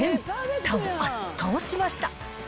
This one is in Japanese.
他を圧倒しました。